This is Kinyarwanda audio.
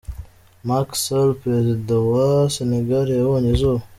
Macky Sall, perezida wa wa Senegal yabonye izuba.